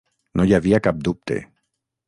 No hi havia cap dubte.